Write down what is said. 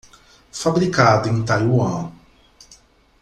Fabricado em Taiwan.